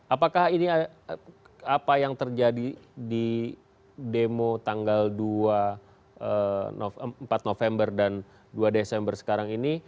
apakah ini apa yang terjadi di demo tanggal empat november dan dua desember sekarang ini